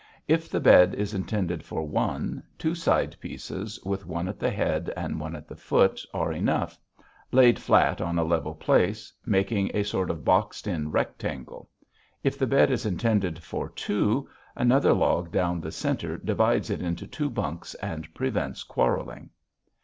If the bed is intended for one, two side pieces with one at the head and one at the foot are enough, laid flat on a level place, making a sort of boxed in rectangle. If the bed is intended for two, another log down the center divides it into two bunks and prevents quarreling.